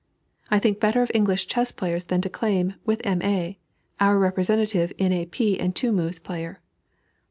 I think better of English chess players than to claim, with "M. A.," our representative in a P and two moves player.